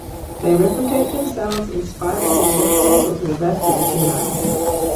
They replicate themselves in spite of being detrimental to the rest of the genome.